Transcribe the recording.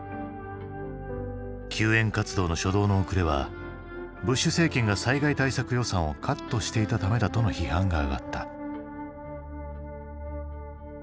救援活動の初動の遅れはブッシュ政権が災害対策予算をカットしていたためだとの批判が上がった。